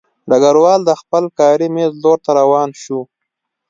ډګروال د خپل کاري مېز لور ته روان شو